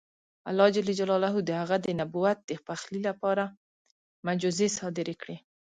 الله جل جلاله د هغه د نبوت د پخلي لپاره معجزې صادرې کړې.